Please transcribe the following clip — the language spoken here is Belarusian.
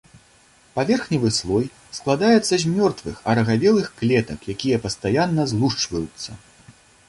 Паверхневы слой складаецца з мёртвых, арагавелых клетак, якія пастаянна злушчваюцца.